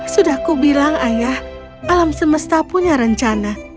sudah kubilang ayah alam semesta punya rencana